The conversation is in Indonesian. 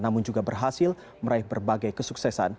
namun juga berhasil meraih berbagai kesuksesan